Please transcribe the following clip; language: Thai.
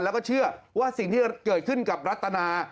แล้วก็เชื่อว่าสิ่งที่จะเกิดขึ้นกับรัตนา